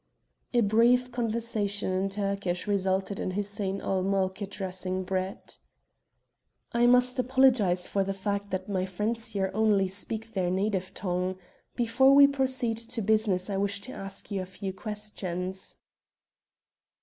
A brief conversation in Turkish resulted in Hussein ul Mulk addressing Brett. "I must apologize for the fact that my friends here only speak their native tongue. Before we proceed to business I wish to ask you a few questions."